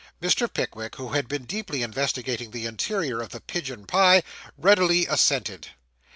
Mr. Pickwick, who had been deeply investigating the interior of the pigeon pie, readily assented.